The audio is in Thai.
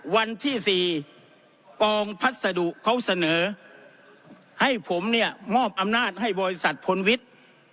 วันที่๔กองพัสดุเขาเสนอให้ผมเนี่ยมอบอำนาจให้บริษัทพลวิทย์